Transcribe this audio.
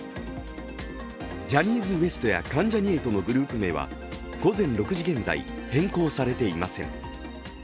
ジャニーズＷＥＳＴや関ジャニ∞のグループ名は午前６時現在、変更されていません。